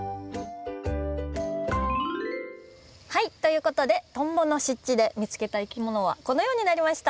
はいということでトンボの湿地で見つけたいきものはこのようになりました。